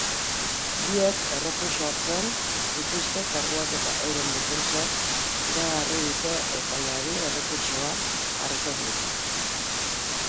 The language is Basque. Biek errefusatzen dituzte karguak eta euren defentsek iragarri dute epaiari errekurtsoa jarriko diotela.